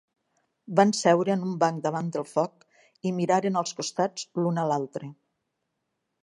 Van seure en un banc davant del foc i miraren als costats l'un a l'altre.